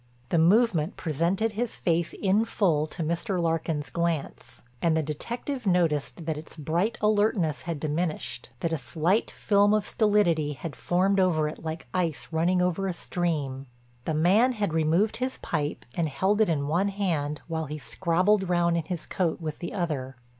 The movement presented his face in full to Mr. Larkin's glance, and the detective noticed that its bright alertness had diminished, that a slight film of stolidity had formed over it like ice over a running stream. The man had removed his pipe and held it in one hand while he scrabbled round in his coat with the other.